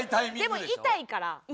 でも痛いから。